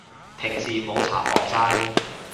平時冇搽防曬